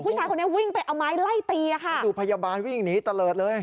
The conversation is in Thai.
ผู้ชายคนนี้วิ่งไปเอาไม้ไล่ตีอ่ะค่ะดูพยาบาลวิ่งหนีตะเลิศเลย